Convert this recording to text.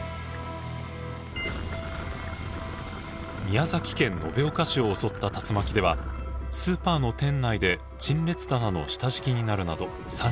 宮崎県延岡市を襲った竜巻ではスーパーの店内で陳列棚の下敷きになるなど３人が死亡。